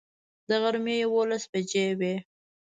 د غرمې یوولس بجې وې.